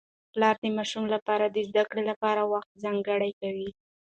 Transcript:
پلار د ماشومانو لپاره د زده کړې لپاره وخت ځانګړی کوي